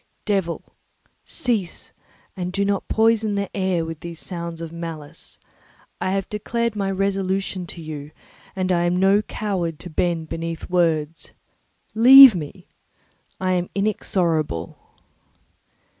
"Devil, cease; and do not poison the air with these sounds of malice. I have declared my resolution to you, and I am no coward to bend beneath words. Leave me; I am inexorable."